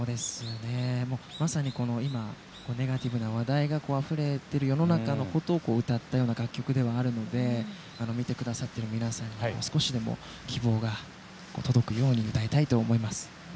まさに、今ネガティブな話題があふれている世の中のことを歌ったような楽曲ではあるので見てくださっている皆さんに少しでも希望が届くように歌いたいと思います。